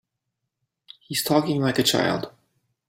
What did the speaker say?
He's talking like a child.